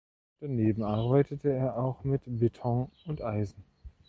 Daneben arbeitete er auch mit Beton und Eisen.